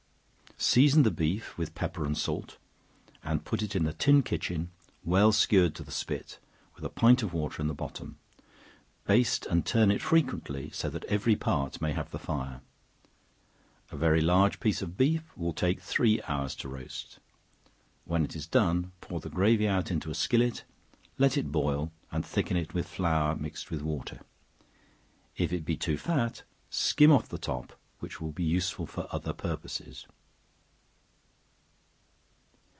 Season the beef with pepper and salt, and put it in the tin kitchen, well skewered to the spit, with a pint of water in the bottom: baste and turn it frequently, so that every part may have the fire. A very large piece of beef will take three hours to roast; when it is done, pour the gravy out into a skillet, let it boil, and thicken it with flour mixed with water; if it be too fat, skim off the top, which will be useful for other purposes.